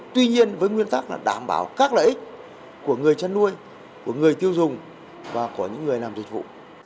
tuy nhiên với nguyên tắc là đảm bảo các lợi ích của người chăn nuôi của người tiêu dùng và của những người làm dịch vụ